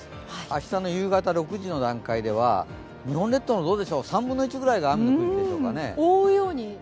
明日の夕方６時の段階では日本列島もどうでしょう、３分の１ぐらいが雨が降るでしょうかね。